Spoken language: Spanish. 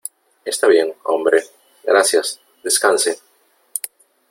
Está bien , hombre , gracias . Descanse .